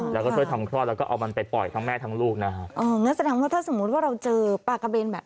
เราก็ช่วยทำคลอดแล้วก็เอามันไปปล่อยทั้งแม่ทั้งลูกนะครับ